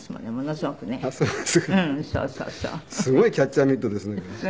すごいキャッチャーミットですね。